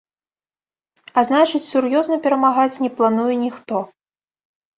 А значыць, сур'ёзна перамагаць не плануе ніхто.